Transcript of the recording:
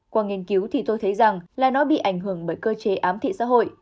qua nghiên cứu thì tôi thấy rằng là nó bị ảnh hưởng bởi cơ chế ám thị xã hội